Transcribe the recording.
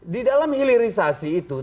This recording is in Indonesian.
di dalam hilirisasi itu